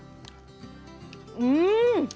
うん！